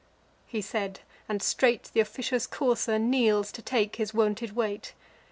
He said; and straight th' officious courser kneels, To take his wonted weight.